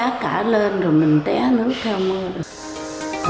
cái giá cả lên rồi mình té nước theo mưa